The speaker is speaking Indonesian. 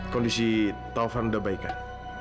kondisi taufan sudah baik kan